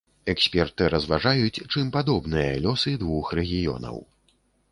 Эксперты разважаюць, чым падобныя лёсы двух рэгіёнаў.